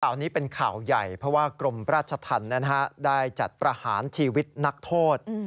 ข่าวนี้เป็นข่าวใหญ่เพราะว่ากรมราชธรรมได้จัดประหารชีวิตนักโทษ